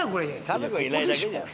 家族がいないだけじゃん。